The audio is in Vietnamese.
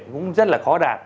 cũng rất là khó đạt